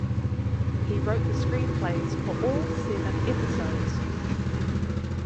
He wrote the screenplays for all seven episodes.